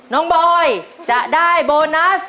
น้องบ่อยจะได้โบนัส